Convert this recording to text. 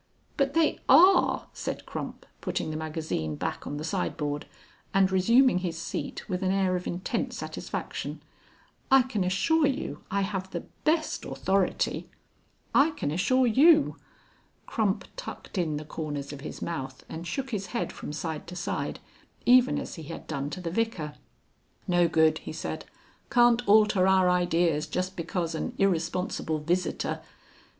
"But they are," said Crump, putting the magazine back on the sideboard and resuming his seat with an air of intense satisfaction. "I can assure you I have the best authority...." "I can assure you...." Crump tucked in the corners of his mouth and shook his head from side to side even as he had done to the Vicar. "No good," he said, "can't alter our ideas just because an irresponsible visitor...."